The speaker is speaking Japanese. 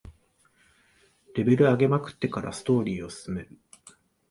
レベル上げまくってからストーリーを進める